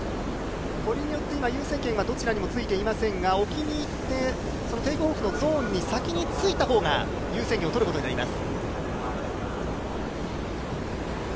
優先権はどちらにもついていませんが、置きにいって、テークのゾーンに着いたほうが優先権を取ることになります。